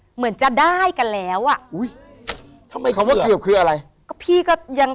เหมือนจะได้กันแล้วอ่ะอุ้ยทำไมคำว่าเกือบคืออะไรก็พี่ก็ยัง